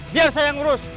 biar saya yang urus